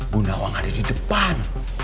bunda wang ada di depan